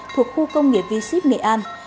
thuộc khu công nghiệp v ship nghệ an